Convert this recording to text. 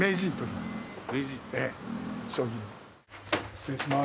失礼します。